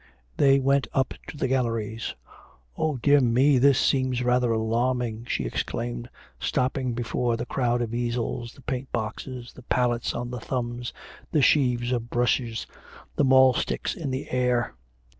They went up to the galleries. 'Oh, dear me, this seems rather alarming!' she exclaimed, stopping before the crowd of easels, the paint boxes, the palettes on the thumbs, the sheaves of brushes, the maulsticks in the air.